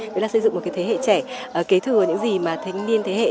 đó là xây dựng một thế hệ trẻ kế thừa những gì mà thanh niên thế hệ